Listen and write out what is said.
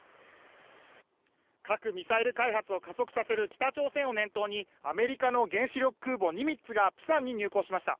核ミサイル開発を加速させる北朝鮮を念頭にアメリカの原子力空母「ニミッツ」が釜山に入港しました。